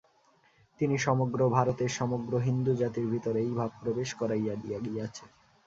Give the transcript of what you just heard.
তিনি সমগ্র ভারতে সমগ্র হিন্দুজাতির ভিতর এই ভাব প্রবেশ করাইয়া দিয়া গিয়াছেন।